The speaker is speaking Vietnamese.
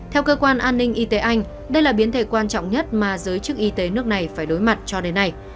theo cơ quan an ninh y tế anh đây là biến thể quan trọng nhất mà giới chức y tế nước này phải đối mặt cho đến nay